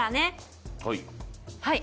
はい。